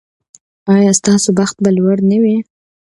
ایا ستاسو بخت به لوړ نه وي؟